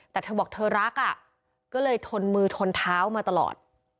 แต่เธอบอกเธอรักอ่ะก็เลยทนมือทนเท้ามาตลอด